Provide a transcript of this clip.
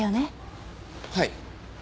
はい。